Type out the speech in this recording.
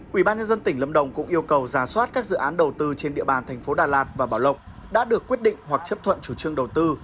quỹ ban nhân dân tỉnh lâm đồng cũng yêu cầu giả soát các dự án đầu tư trên địa bàn thành phố đà lạt và bảo lộc đã được quyết định hoặc chấp thuận chủ trương đầu tư